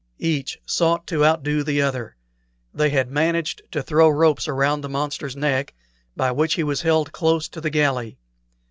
Each sought to outdo the other. They had managed to throw ropes around the monster's neck, by which he was held close to the galley.